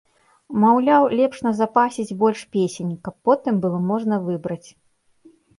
Маўляў, лепш назапасіць больш песень, каб потым было можна выбраць.